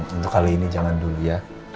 untuk kali ini jangan dulu ya